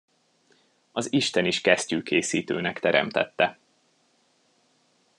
Az isten is kesztyűkészítőnek teremtette.